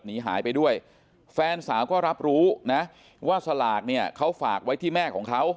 หนีหายไปด้วยแฟนสาวก็รับรู้นะว่าสลากเนี่ยเขาฝากไว้ที่แม่ของเขา